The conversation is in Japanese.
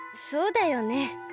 そうだよね。